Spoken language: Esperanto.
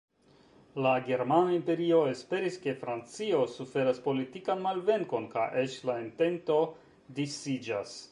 La Germana Imperio esperis, ke Francio suferas politikan malvenkon kaj eĉ la entento disiĝas.